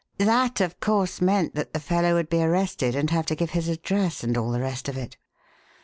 "That, of course, meant that the fellow would be arrested and have to give his address and all the rest of it?"